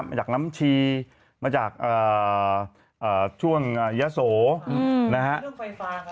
มาจากน้ำชีมาจากช่วงยะโสนะฮะ